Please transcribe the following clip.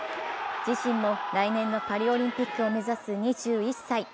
自身も来年のパリオリンピックを目指す２１歳。